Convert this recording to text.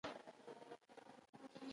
_ګوره بچو، په داسې چټياټو دې سر مه خرابوه.